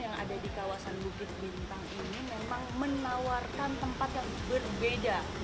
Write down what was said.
kawasan bukit bintang ini memang menawarkan tempat yang berbeda